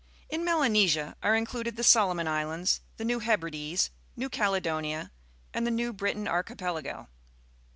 In Melanesia are included the Solomon Islands, the New Hebrides, iXeiv Caledonia, and the New Britain Archipelago.